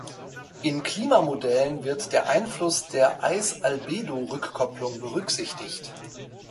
In Klimamodellen wird der Einfluss der Eis-Albedo-Rückkopplung berücksichtigt.